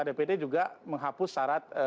dpd juga menghapus syarat